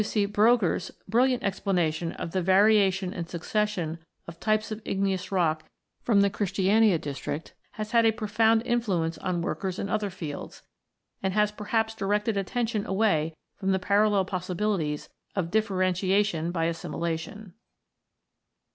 W. C. Brogger's(79) brilliant explanation of the varia tion and succession of types of igneous rock in the Christiania district has had a profound influence on workers in other fields, and has perhaps directed attention away from the parallel possibilities of differentiation by assimilation.